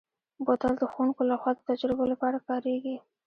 بوتل د ښوونکو لخوا د تجربو لپاره کارېږي.